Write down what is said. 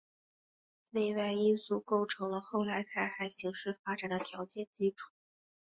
内外因素构成了后来台海形势发展的条件基础。